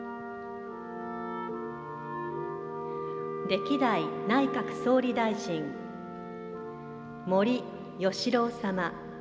歴代内閣総理大臣、森喜朗様。